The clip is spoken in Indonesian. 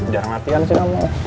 biar ngatiin sih kamu